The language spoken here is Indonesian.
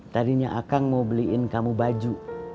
tadinya akang mau beliin kamu baju